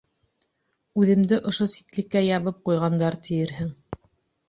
Үҙемде ошо ситлеккә ябып ҡуйғандар тиерһең.